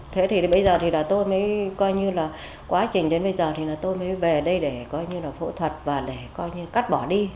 thế thì bây giờ thì là tôi mới coi như là quá trình đến bây giờ thì là tôi mới về đây để coi như là phẫu thuật và để coi như cắt bỏ đi